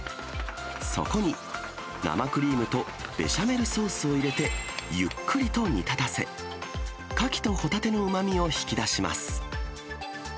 そこに生クリームと、ベシャメルソースを入れてゆっくりと煮立たせ、カキとホタテのうまみを引き出します。